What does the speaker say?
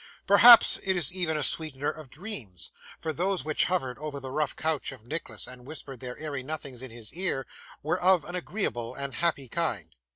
Perhaps it is even a sweetener of dreams, for those which hovered over the rough couch of Nicholas, and whispered their airy nothings in his ear, were of an agreeable and happy kind.